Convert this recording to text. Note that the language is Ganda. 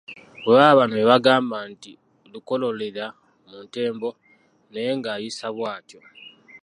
Bwe baba bano bebagamba nti ba "Lukololera mu ntembo" naye ng'ayisa bwatyo.